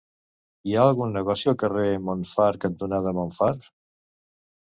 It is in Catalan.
Hi ha algun negoci al carrer Montfar cantonada Montfar?